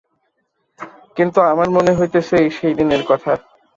কিন্তু আমার মনে হইতেছে এই সেদিনের কথা।